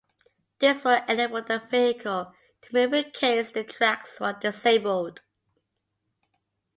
This would enable the vehicle to move in case the tracks were disabled.